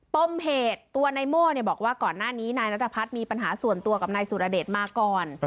ปมเหตุตัวนายโม่บอกว่าก่อนหน้านี้นายนัทพัฒน์มีปัญหาส่วนตัวกับนายสุรเดชมาก่อน